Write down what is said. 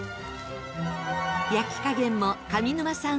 焼き加減も上沼さん